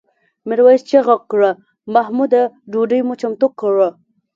میرويس چیغه کړه محموده ډوډۍ مو چمتو کړه؟